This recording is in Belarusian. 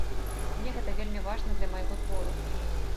Мне гэта вельмі важна для майго твору.